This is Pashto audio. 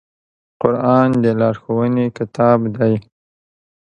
قرآن د لارښوونې کتاب دی